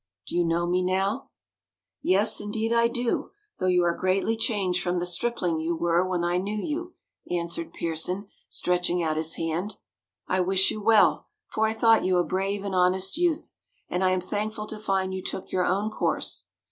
Do you know me now?" "Yes, indeed I do; though you are greatly changed from the stripling you were when I knew you," answered Pearson, stretching out his hand. "I wish you well, for I thought you a brave and honest youth, and I am thankful to find you took your own course.